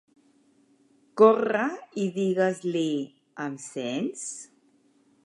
Corre i digues-l'hi, em sents?